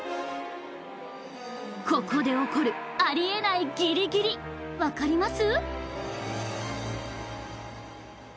ここで起こるあり得ないギリギリ分かります？